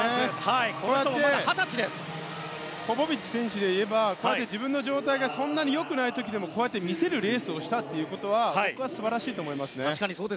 ポポビッチ選手でいえばこうして自分の状態がそんなに良くない時でもこうやって見せるレースをしたのは僕は素晴らしいと思います。